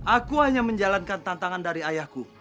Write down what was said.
aku hanya menjalankan tantangan dari ayahku